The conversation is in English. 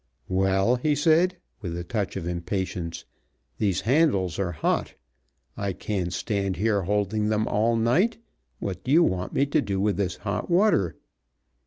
"Well," he said, with a touch of impatience, "these handles are hot. I can't stand here holding them all night. What do you want me to do with this hot water?"